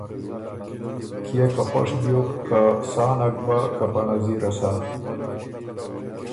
کيې که خوش بيوک که سا نک بۀ که په نظیره سۀ۔